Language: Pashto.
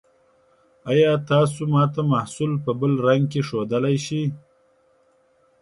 ایا تاسو ما ته محصول په بل رنګ کې ښودلی شئ؟